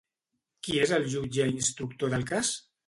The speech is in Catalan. Qui és el jutge instructor del cas?